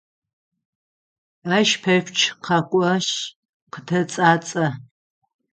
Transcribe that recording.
Ащ пэпчъ къэкӏошъ къытэцӏацӏэ.